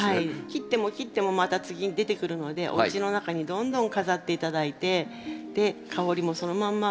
切っても切ってもまた次出てくるのでおうちの中にどんどん飾って頂いてで香りもそのまんま